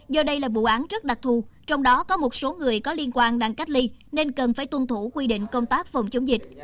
do đây là vụ án rất đặc thù trong đó có một số người có liên quan đang cách ly nên cần phải tuân thủ quy định công tác phòng chống dịch